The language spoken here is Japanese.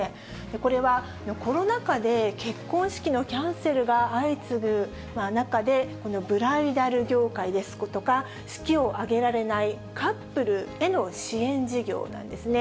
これはコロナ禍で結婚式のキャンセルが相次ぐ中で、ブライダル業界ですとか、式を挙げられないカップルへの支援事業なんですね。